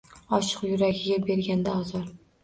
Oshiq yuragiga berganda ozor